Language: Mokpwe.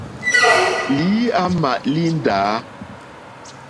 Lǐǃáámà líndǎ.